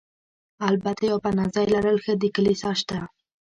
البته یو پناه ځای لرل ښه دي، کلیسا شته.